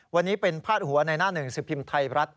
วันนี้เป็นพาดหัวในหน้าหนึ่งสิบพิมพ์ไทยรัฐ